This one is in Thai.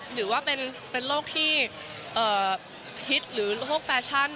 หรือว่าเป็นโรคที่ฮิตหรือโรคแฟชั่น